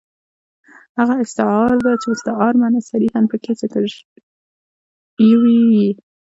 هغه استعاره ده، چي مستعار منه صریحاً پکښي ذکر ىوى يي.